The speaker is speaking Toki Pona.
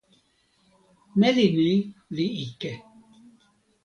meli ni li ike.